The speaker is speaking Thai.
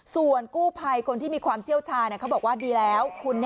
ส่วนกู้ภัยคนที่มีความเชี่ยวชาเขาบอกว่าดีแล้ว